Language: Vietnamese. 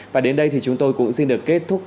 và đến đây thì chúng tôi cũng xin được kết thúc